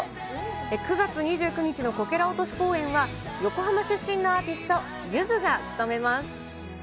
９月２９日のこけら落とし公演は、横浜出身のアーティスト、ゆずが務めます。